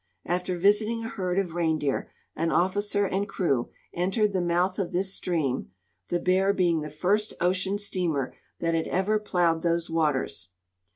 After visiting a herd of rein deer, an officer and crew entered the mouth of this stream, the Bear being the first ocean steamer that had ever ploAved those waters.